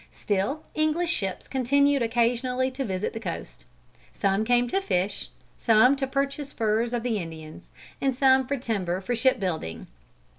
Still English ships continued occasionally to visit the coast. Some came to fish, some to purchase furs of the Indians, and some for timber for shipbuilding.